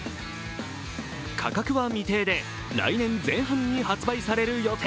価格は未定で、来年前半に発売される予定。